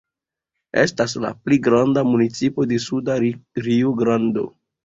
Estas la pli granda municipo de Suda Rio-Grando.